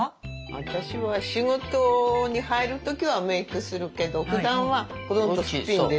私は仕事に入る時はメークするけどふだんはほとんどすっぴんです。